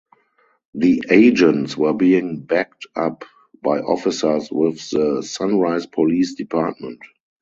The agents were being backed up by officers with the Sunrise Police Department.